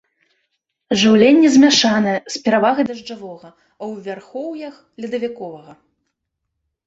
Жыўленне змяшанае, з перавагай дажджавога, а ў вярхоўях ледавіковага.